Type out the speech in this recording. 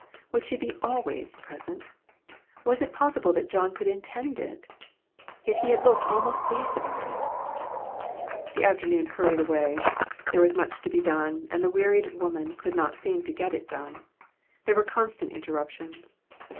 Would she be "always" pres ent? Was it possible that John could intend it? Yet he had looked almost pleased about it. The afternoon hurried away. There was much to be done and the wearied woman could not seem to get it done. There were constant interruptions.